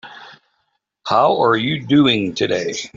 How are you doing today?